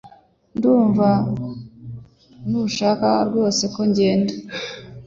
Ndumva ntushaka rwose ko ngenda